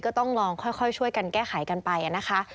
ก็ต้องลองค่อยช่วยกันแก้ไขกันไปนะคะ